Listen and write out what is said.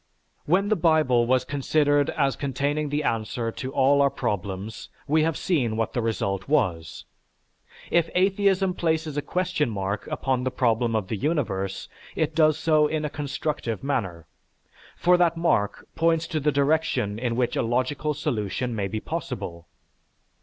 When the Bible was considered as containing the answer to all our problems we have seen what the result was. If atheism places a question mark upon the problem of the universe, it does so in a constructive manner; for that mark points to the direction in which a logical solution may be possible.